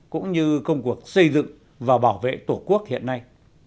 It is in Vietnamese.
cũng như công cuộc xây dựng và bảo vệ tổ quốc hiện nay